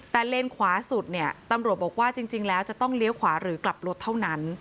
แต่เลนขวาสุดเนี่ยตำรวจบอกว่าจริงแล้วจะต้องเลี้ยวขวาหรือกลับรถเท่านั้น